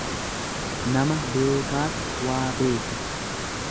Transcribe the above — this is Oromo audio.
Nama beekaatu waa beeka.